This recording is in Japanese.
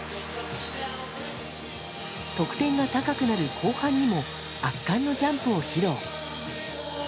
得点が高くなる後半にも圧巻のジャンプを披露。